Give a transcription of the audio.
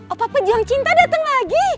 oh pak pejuang cinta dateng lagi